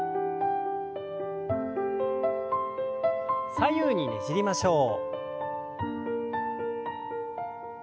左右にねじりましょう。